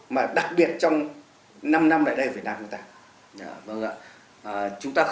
mà đặc biệt trong năm năm lại đây ở việt nam chúng ta có